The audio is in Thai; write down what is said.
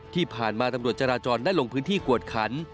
ที่ผ่านมาตำรวจจราจรได้ลงพื้นที่กวดขัน